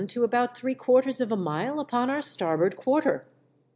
67 to about three quarters of a mile upon our starboard quarter.